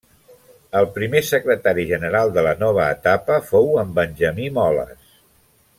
El primer Secretari General de la nova etapa fou en Benjamí Moles.